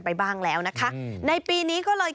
ไปบ้างแล้วนะคะในปีนี้ก็เลย